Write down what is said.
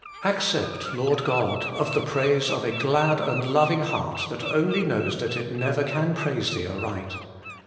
Accept, Lord God ! of the praise of a glad and loving heart that only knows that it never can praise Thee aright.